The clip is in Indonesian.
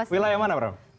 wilayah mana prof